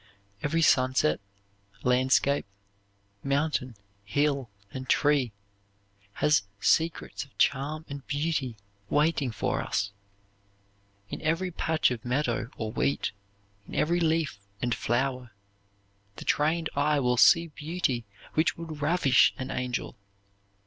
Every sunset, landscape, mountain, hill, and tree has secrets of charm and beauty waiting for us. In every patch of meadow or wheat, in every leaf and flower, the trained eye will see beauty which would ravish an angel.